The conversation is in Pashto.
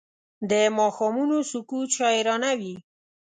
د ماښامونو سکوت شاعرانه وي